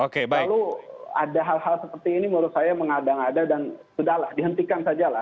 kalau ada hal hal seperti ini menurut saya mengadang ada dan sudah lah dihentikan saja lah